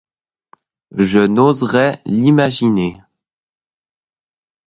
Je n’osais l’imaginer.